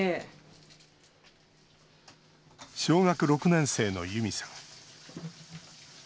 小学６年生のユミさん。